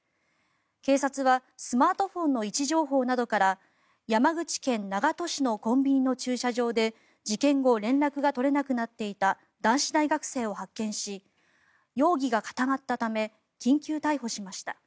警察はスマートフォンの位置情報などから山口県長門市のコンビニの駐車場で事件後連絡が取れなくなっていた男子大学生を発見し容疑が固まったため緊急逮捕しました。